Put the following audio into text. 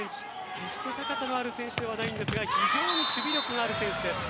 決して高さのある選手ではないんですが非常に守備力のある選手です。